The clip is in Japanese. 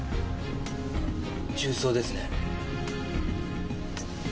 銃創ですね。